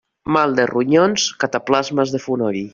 Mal de ronyons, cataplasmes de fonoll.